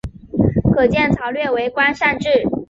可见曹摅为官善治。